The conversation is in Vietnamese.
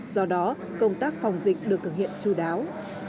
do đó công tác phòng dịch được thực hiện chú đáo